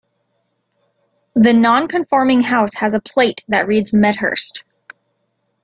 The one non-conforming house has a plate that reads Medhurst.